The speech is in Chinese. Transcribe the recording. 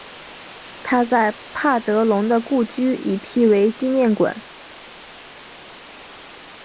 他在帕德龙的故居已辟为纪念馆。